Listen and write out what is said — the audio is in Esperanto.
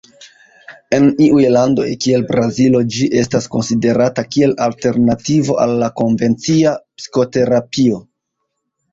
En iuj landoj kiel Brazilo ĝi estas konsiderata kiel alternativo al la konvencia psikoterapio.